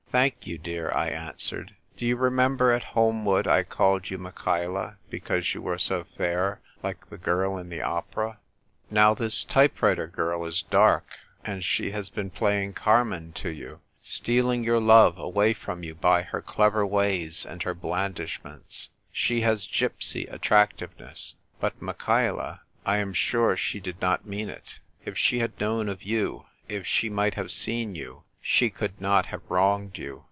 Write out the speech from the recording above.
"Thank you, dear," I answered. " Do you remember at Holmwood I called you Michaela, because you were so fair, like the girl in the opera ? Now, f his type writer girl is dark, and she has bc.i playing Carmen to you — stealing your love away from you by her clever ways and her blandishments. She has gypsy attractiveness. But, Michaela, I am sure she did not mean it. if she had known of you, if she might have seen you, she could not have wronged you.